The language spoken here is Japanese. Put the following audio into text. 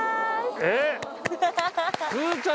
えっ！？